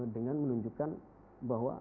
dengan menunjukkan bahwa